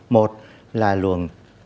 một là luồng